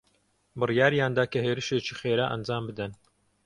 بڕیاریان دا کە هێرشێکی خێرا ئەنجام بدەن.